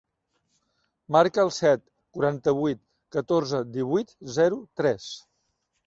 Marca el set, quaranta-vuit, catorze, divuit, zero, tres.